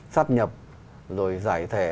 xác nhập rồi giải thẻ